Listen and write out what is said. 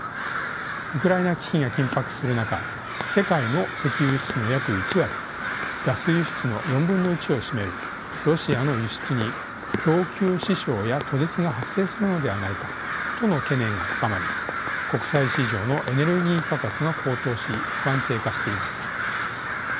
ウクライナ危機が緊迫する中世界の石油輸出の約１割ガス輸出の４分の１を占めるロシアの輸出に供給支障や途絶が発生するのではないかとの懸念が高まり国際市場のエネルギー価格が高騰し不安定化しています。